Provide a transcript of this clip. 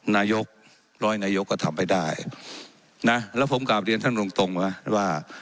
นายกร้อยนายกก็ทำให้ได้นะแล้วผมกลับเรียนท่านตรงตรงว่า